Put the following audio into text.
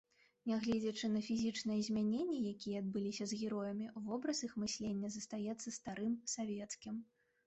Нягледзячы на фізічныя змяненні, якія адбыліся з героямі, вобраз іх мыслення застаецца старым, савецкім.